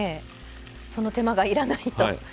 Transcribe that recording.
その手間がいらないと。